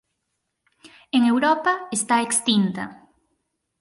En Europa está extinta.